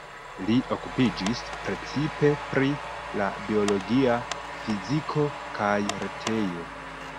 Li okupiĝis precipe pri la biologia fiziko kaj retoj.